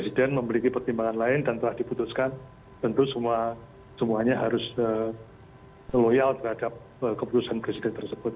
presiden memiliki pertimbangan lain dan telah diputuskan tentu semuanya harus loyal terhadap keputusan presiden tersebut